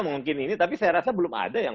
mungkin ini tapi saya rasa belum ada yang